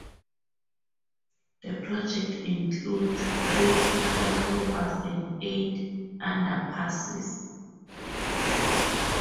The project includes three flyovers and eight underpasses.